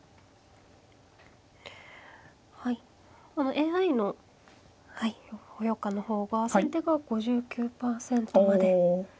ＡＩの評価の方が先手が５９％まで。